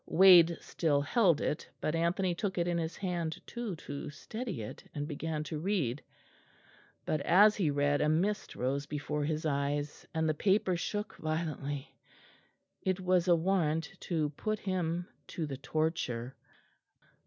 Wade still held it; but Anthony took it in his hand too to steady it, and began to read; but as he read a mist rose before his eyes, and the paper shook violently. It was a warrant to put him to the torture.